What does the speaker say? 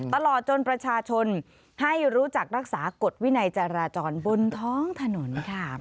ตลอดจนประชาชนให้รู้จักรักษากฎวินัยจราจรบนท้องถนนค่ะ